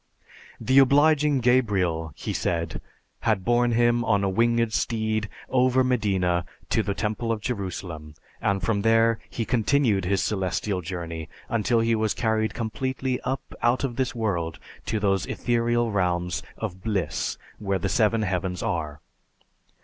The obliging Gabriel, he said, had borne him on a winged steed over Medina to the Temple of Jerusalem, and from there he continued his celestial journey until he was carried completely out of this world to those ethereal realms of bliss where the Seven Heavens are.